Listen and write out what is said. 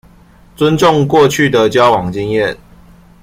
尊重過去的交往經驗